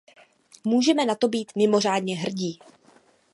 Můžeme na to být mimořádně hrdí.